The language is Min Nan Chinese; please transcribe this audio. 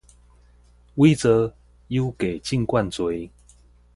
偽造有價證券罪